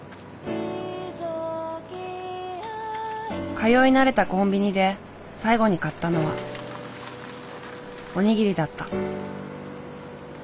通い慣れたコンビニで最後に買ったのはお握りだった。